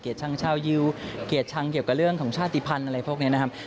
ชังชาวยิวเกลียดชังเกี่ยวกับเรื่องของชาติภัณฑ์อะไรพวกนี้นะครับ